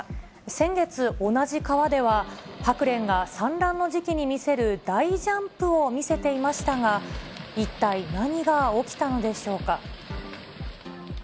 先月、同じ川ではハクレンが産卵の時期に見せる大ジャンプを見せていましたが、一体何が起きたのでしょうか。